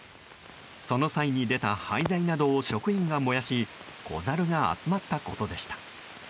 その際に出た廃材などを職員が燃やし子ザルが集まったことでした。